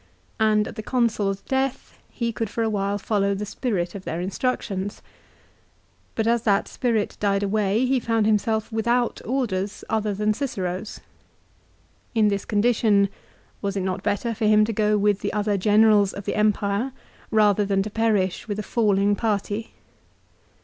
And at the Consul's death, he could for a while follow the spirit of their instruc tions. But as that spirit died away he found himself without orders other than Cicero's. In this condition was it not better for him to go with the other Generals of the Empire rather than to perish with, a falling party?